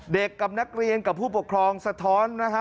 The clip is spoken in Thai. กับนักเรียนกับผู้ปกครองสะท้อนนะฮะ